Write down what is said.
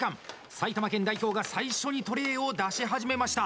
埼玉県代表が最初にトレーを出し始めました。